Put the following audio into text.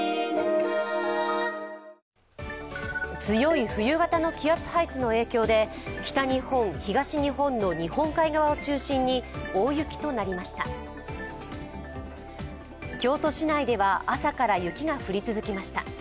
強い冬型の気圧配置の影響で北日本、東日本の日本海側を中心に大雪となりました。